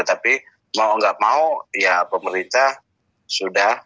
tapi mau nggak mau ya pemerintah sudah